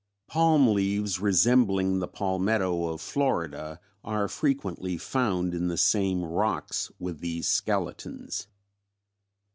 Palm leaves resembling the palmetto of Florida are frequently found in the same rocks with these skeletons.